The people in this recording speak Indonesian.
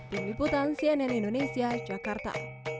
tim liputan cnn indonesia jakarta